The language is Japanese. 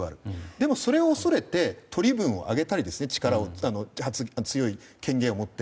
でも、それを恐れて取り分を上げたり強い権限を持って。